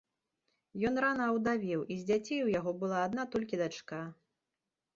Ён рана аўдавеў, і з дзяцей у яго была адна толькі дачка.